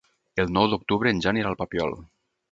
El nou d'octubre en Jan irà al Papiol.